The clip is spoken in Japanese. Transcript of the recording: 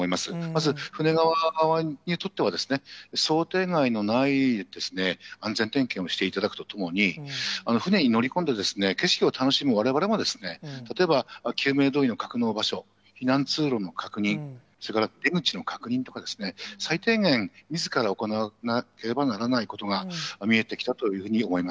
まず、船側にとってはですね、想定外のない安全点検をしていただくとともに、船に乗り込んで景色を楽しむわれわれも、例えば救命胴衣の格納場所、避難通路の確認、それから出口の確認とかですね、最低限、みずから行わなければならないことが見えてきたというふうに思い